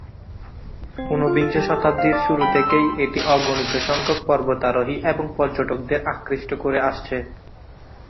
ঊনবিংশ শতাব্দীর শুরু থেকেই এটি অগণিত সংখ্যক পর্বতারোহী এবং পর্যটকদের আকৃষ্ট করে আসছে।